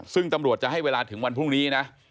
ซึ่งตำรวจจะให้เวลาถึงวันพรุ่งนี้นะ